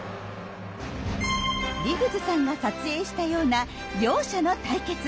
リグズさんが撮影したような両者の対決